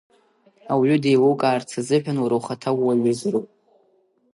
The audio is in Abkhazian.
Ауаҩы деилукаарц азыҳәан уара ухаҭа ууаҩызароуп.